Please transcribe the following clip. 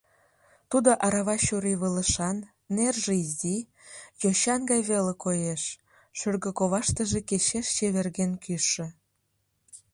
Тудо арава чурийвылышан, нерже изи, йочан гай веле коеш, шӱргӧ коваштыже кечеш чеверген кӱшӧ.